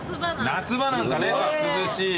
夏場なんかね涼しい。